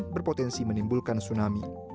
berpotensi menimbulkan tsunami